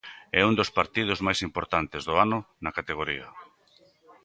É un dos partidos máis importantes do ano na categoría.